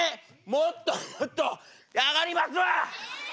もっともっと上がりますわ！